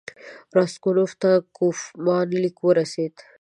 راسګونوف ته د کوفمان لیک ورسېد.